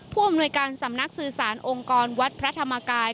ผู้อำนวยการสำนักสื่อสารองค์กรวัดพระธรรมกาย